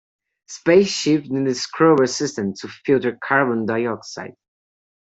Space ships need a scrubber system to filter carbon dioxide.